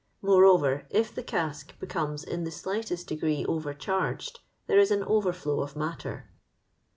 Moreover, if the cask becomes in the slightest degree overcharged, there is an overflow of matter."